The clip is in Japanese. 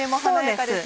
そうです。